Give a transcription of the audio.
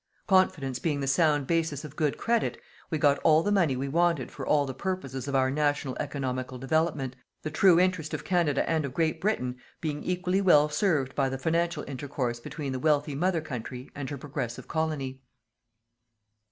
Confidence being the sound basis of good credit, we got all the money we wanted for all the purposes of our national economical development, the true interest of Canada and of Great Britain being equally well served by the financial intercourse between the wealthy mother country and her progressive colony.